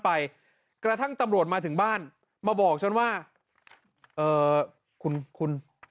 ไปกระทั่งตำรวจมาถึงบ้านมาบอกฉันว่าเอ่อคุณคุณ